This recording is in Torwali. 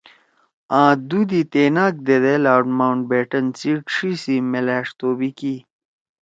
آں دُو دی تیناک دیدے لارڈ ماؤنٹ بیٹن سی ڇھی سی میلأݜ توبی کی